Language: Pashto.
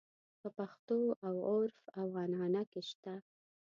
په پښتو او عُرف او عنعنه کې شته.